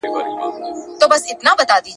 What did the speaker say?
زه به ولي هر پرهار ته په سینه کي خوږېدلای ,